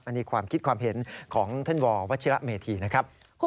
อันนี้ความคิดความเห็นของท่านววัชิระเมธีนะครับ